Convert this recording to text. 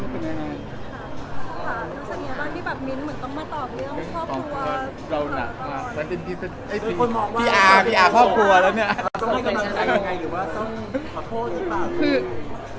ต้องเป็นกำลังร้ายยังไงหรือว่าต้องขอโทษหรือเปล่ามึง